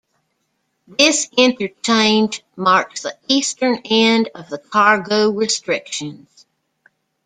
This interchange marks the eastern end of the cargo restrictions.